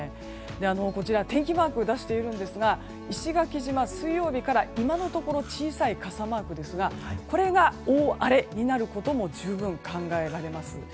こちら、天気マークを出しているんですが石垣島、水曜日から今のところ小さい傘マークですがこれが大荒れになることも十分、考えられます。